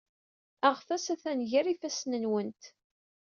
Aɣtas atan gar yifassen-nwent.